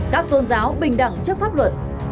các tôn giáo bình đẳng chức pháp luật